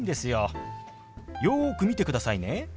よく見てくださいね。